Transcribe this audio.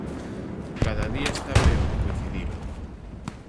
_Cada día está peor _coincidiron_;